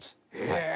へえ！